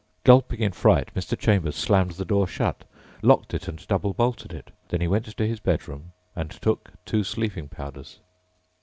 Gulping in fright, Mr. Chambers slammed the door shut, locked it and double bolted it. Then he went to his bedroom and took two sleeping powders.